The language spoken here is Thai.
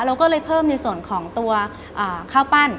เราก็เลยเพิ่มในส่วนของตัวข้าวปั้น